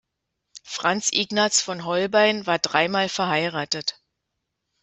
Franz Ignaz von Holbein war dreimal verheiratet.